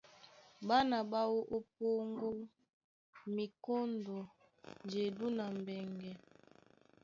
Ɓána ɓá wú ó Póŋgó, Mikóndo, Jedú na Mbɛŋgɛ.